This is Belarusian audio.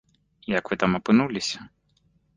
Як вы там апынуліся?